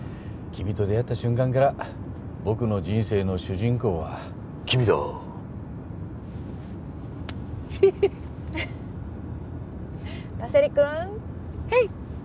君と出会った瞬間から僕の人生の主人公は君だーパセリ君はい！